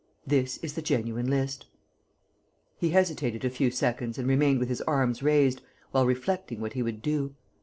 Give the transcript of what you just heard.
"This is the genuine list." He hesitated a few seconds and remained with his arms raised, while reflecting what he would do.